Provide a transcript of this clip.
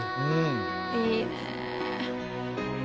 いいね。